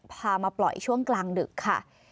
พามาปล่อยช่วงกลางดึกค่ะ